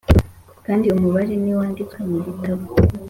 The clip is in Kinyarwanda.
kandi umubare ntiwanditswe mu gitabo